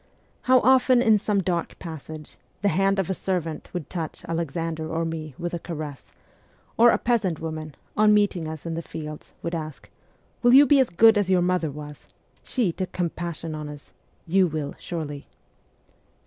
How often in some dark passage, the hand of a servant would touch Alexander or me with a caress ; or a peasant woman, on meeting us in the fields, would ask, ' Will you be as good as your mother was ? She took compassion on us. You will, surely.'